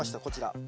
こちら。